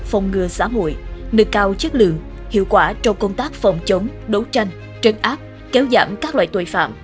phòng ngừa xã hội nực cao chất lượng hiệu quả trong công tác phòng chống đấu tranh trấn áp kéo giảm các loại tội phạm